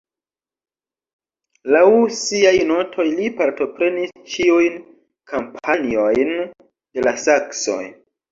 Laŭ siaj notoj li partoprenis ĉiujn kampanjojn de la saksoj.